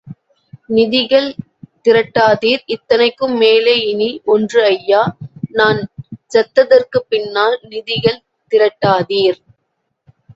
நிதிகள் திரட்டாதீர் இத்தனைக்கும் மேலே இனி ஒன்று ஐயா, நான் செத்ததற்குப் பின்னால் நிதிகள் திரட்டாதீர்!